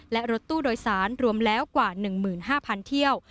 และรถตู้โดยสารรวมแล้วกว่า๑๕๐๐เที่ยว